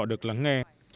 họ được lắng nghe